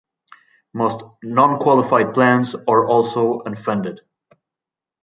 Most nonqualified plans are also unfunded.